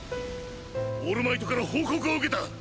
オールマイトから報告を受けた！